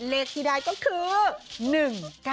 เลขที่ได้ก็คือ๑๙